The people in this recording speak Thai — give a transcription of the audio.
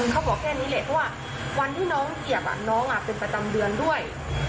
เขาบอกแค่นี้แหละเพราะว่าวันที่น้องเหยียบน้องเป็นประจำเดือนด้วย